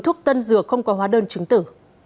thuốc tân dừa không có hóa đơn chứng tử